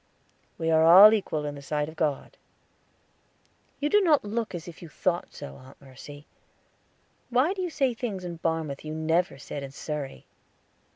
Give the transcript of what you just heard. "We are all equal in the sight of God." "You do not look as if you thought so, Aunt Mercy. Why do you say things in Barmouth you never said in Surrey?"